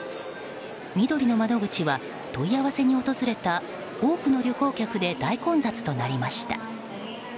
みどりの窓口は問い合わせに訪れた多くの旅行客で大混雑となりました。